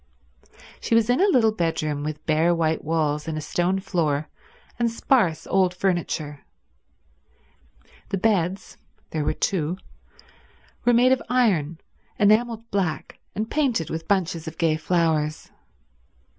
She was in a little bedroom with bare white walls and a stone floor and sparse old furniture. The beds—there were two—were made of iron, enameled black and painted with bunches of gay flowers.